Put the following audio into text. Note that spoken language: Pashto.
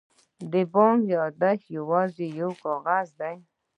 د بانک یادښت یوازې یو کاغذ دی.